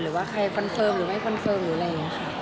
หรือว่าใครคอนเฟิร์มหรือไม่คอนเฟิร์มหรืออะไรอย่างนี้ค่ะ